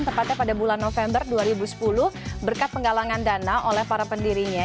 tepatnya pada bulan november dua ribu sepuluh berkat penggalangan dana oleh para pendirinya